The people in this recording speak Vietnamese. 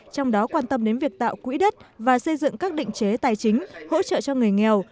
trong đó quan tâm đến việc tạo quỹ đất và xây dựng các định chế tài chính hỗ trợ cho người nghèo